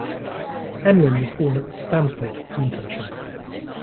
Emlyn was born at Stamford, Lincolnshire.